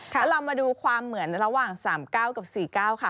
แล้วเรามาดูความเหมือนระหว่าง๓๙กับ๔๙ค่ะ